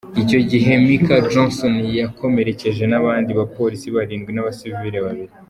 Icyo gihe Micah Johnson yakomerekeje n’abandi bapolisi barindwi n’abasivili babiri.